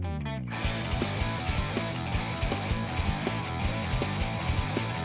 tadi nodong perempuan